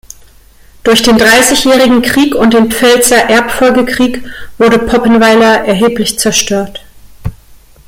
Durch den Dreißigjährigen Krieg und den Pfälzer Erbfolgekrieg wurde Poppenweiler erheblich zerstört.